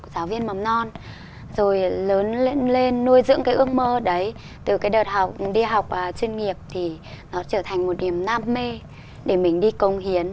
để mang con chú dạy dỗ cho các cháu